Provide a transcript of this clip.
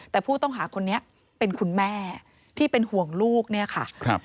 แต่ผู้ต้องหาคนนี้เป็นคุณแม่ที่เป็นห่วงลูกเนี่ยค่ะ